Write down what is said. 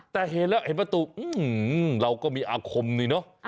แต่เห็นประตูอื้อเราก็มีอาคมนี่เนาะ